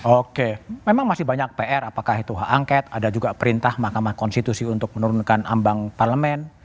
oke memang masih banyak pr apakah itu hak angket ada juga perintah mahkamah konstitusi untuk menurunkan ambang parlemen